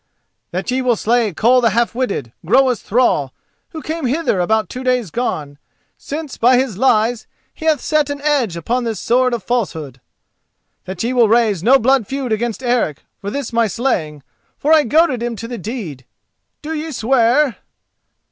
That ye will slay Koll the Half witted, Groa's thrall, who came hither about two days gone, since by his lies he hath set an edge upon this sword of falsehood. That ye will raise no blood feud against Eric for this my slaying, for I goaded him to the deed. Do ye swear?"